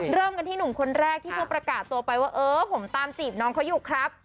เริ่มกันที่หนุ่มคนแรกที่เขาประกาศตัวไปว่าเออผมตามจีบน้องเขาอยู่ครับ